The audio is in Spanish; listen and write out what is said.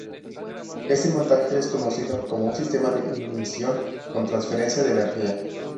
Este montaje es conocido como un sistema de ignición con "transferencia de energía".